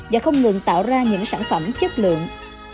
và không ngừng tạo ra những sản phẩm chất lượng